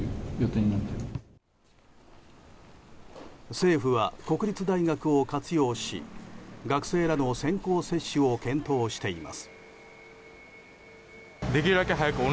政府は国立大学を活用し学生らの先行接種を検討しています。